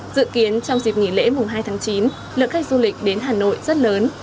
dự kiến trong dịp nghỉ lễ mùng hai tháng chín lượng khách du lịch đến hà nội rất lớn